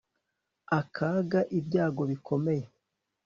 akaga ibyago bikomeye